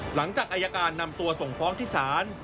หลังจากอายการนำตัวส่งฟ้องที่ศาล